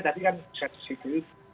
tapi kan bisa disitu